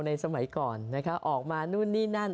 ในสมัยก่อนออกมานู่นนี่นั่น